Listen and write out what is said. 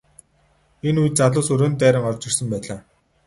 Энэ үед залуус өрөөнд дайран орж ирсэн байлаа.